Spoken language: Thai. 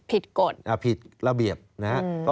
ผิดกฎนะครับผิดระเบียบนะครับ